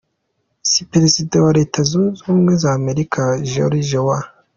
C, Perezida wa Leta Zunze Ubumwe za Amerika George W.